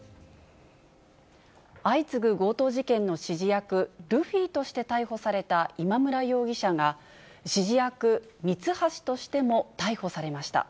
相次ぐ強盗事件の指示役、ルフィとして逮捕された今村容疑者が、指示役、ミツハシとしても逮捕されました。